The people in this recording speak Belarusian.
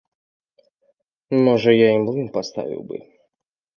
Можа і я млын паставіў бы.